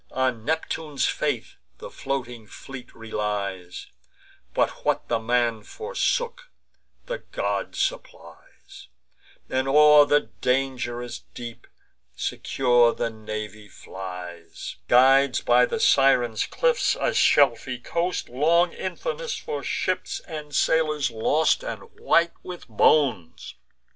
On Neptune's faith the floating fleet relies; But what the man forsook, the god supplies, And o'er the dang'rous deep secure the navy flies; Glides by the Sirens' cliffs, a shelfy coast, Long infamous for ships and sailors lost, And white with bones.